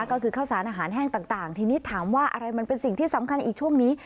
ก็คือข้าวสารอาหารแห้งต่างทีนี้ถามว่าอะไรมันเป็นสิ่งที่สำคัญอีกช่วงนี้